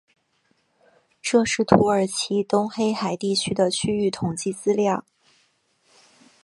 这是土耳其东黑海地区的区域统计资料。